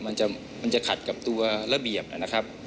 มันจะขัดกับตัวระเบียบนะครับ